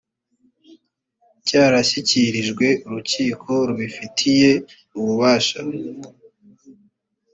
cyarashyikirijwe urukiko rubifitiye ububasha